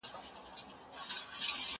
زه اجازه لرم چي جواب ورکړم؟!